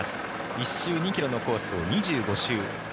１周２ｋｍのコースを２５周。